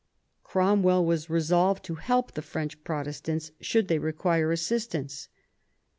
Cromwell was resolved to help the French Protestants should they require assist ance.